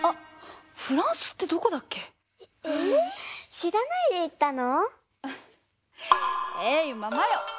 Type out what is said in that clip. しらないでいったの？